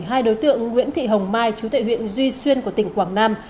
hai đối tượng nguyễn thị hồng mai chú tại huyện duy xuyên của tỉnh quảng nam